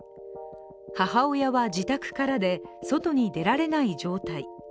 母親は自宅から外に出られない状態。